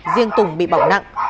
riêng tùng bị bỏng nặng